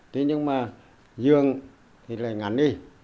thế nhưng mà giường thì lại ngắn đi